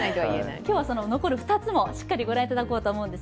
今日は残る２つもしっかり御覧いただこうと思います。